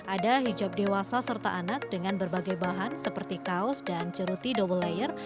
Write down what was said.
ada hijab dewasa serta anak dengan berbagai bahan seperti kaos dan ceruti double layer